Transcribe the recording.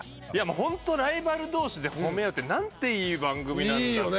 ホントライバル同士で褒め合うってなんていい番組なんだいいよね